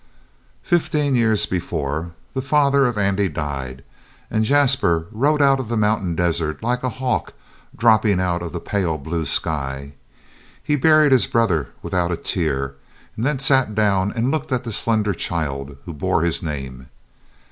Fifteen years before, the father of Andy died, and Jasper rode out of the mountain desert like a hawk dropping out of the pale blue sky. He buried his brother without a tear, and then sat down and looked at the slender child who bore his name.